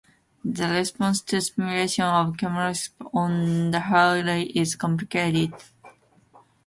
The response to stimulation of chemoreceptors on the heart rate is complicated.